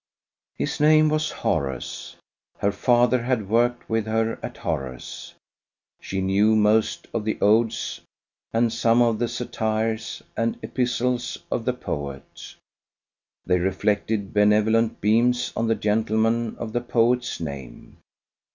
His name was Horace. Her father had worked with her at Horace. She knew most of the Odes and some of the Satires and Epistles of the poet. They reflected benevolent beams on the gentleman of the poet's name.